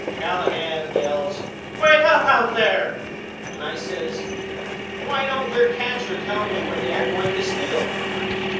Callahan yells Wake up out there and I says Why don't your catcher tell me when they are going to steal.